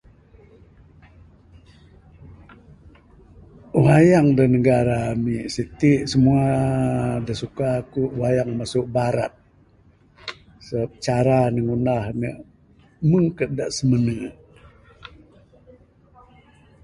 Wayang da negara ami siti semua da suka aku wayang masu barat. Sebab cara ne ngundah ne meng ka da simene.